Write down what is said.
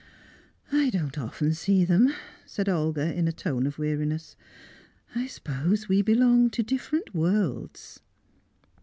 "I don't often see them," said Olga, in a tone of weariness. "I suppose we belong to different worlds."